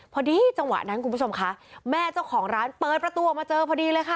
พอดีจังหวะนั้นคุณผู้ชมคะแม่เจ้าของร้านเปิดประตูออกมาเจอพอดีเลยค่ะ